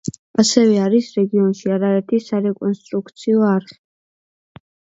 ასევე არის რეგიონში, არაერთი სარეკონსტრუქციო არხი.